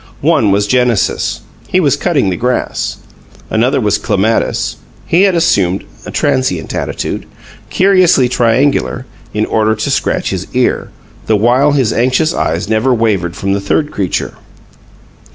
One was Genesis; he was cutting the grass. Another was Clematis; he had assumed a transient attitude, curiously triangular, in order to scratch his ear, the while his anxious eyes never wavered from the third creature.